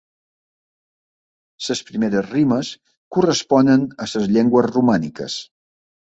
Les primeres rimes corresponen a les llengües romàniques.